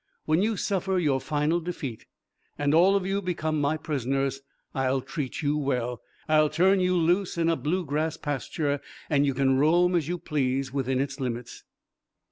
"When you suffer your final defeat, and all of you become my prisoners, I'll treat you well. I'll turn you loose in a Blue grass pasture, and you can roam as you please within its limits."